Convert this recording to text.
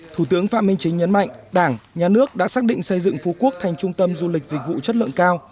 thủ tướng phạm minh chính nhấn mạnh đảng nhà nước đã xác định xây dựng phú quốc thành trung tâm du lịch dịch vụ chất lượng cao